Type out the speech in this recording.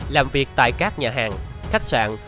làm việc tại các nhà hàng khách sạn